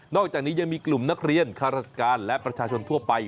อกจากนี้ยังมีกลุ่มนักเรียนค่าราชการและประชาชนทั่วไป